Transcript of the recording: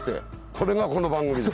これがこの番組です。